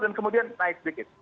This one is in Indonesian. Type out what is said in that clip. dan kemudian naik sedikit